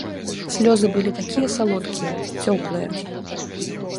Слёзы былі такія салодкія, цёплыя.